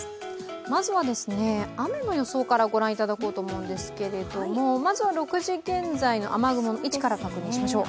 まずは雨の予想から御覧いただこうと思うんですけどまずは６時現在の雨雲の位置から確認しましょう。